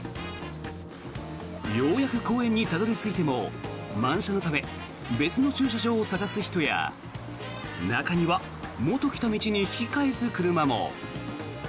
ようやく公園にたどり着いても満車のため別の駐車場を探す人や中には元来た道に引き返す車も。